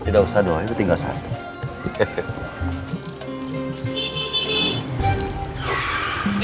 tidak usah doang ini tinggal satu